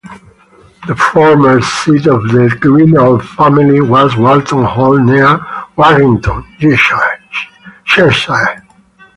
The former seat of the Greenall family was Walton Hall near Warrington, Cheshire.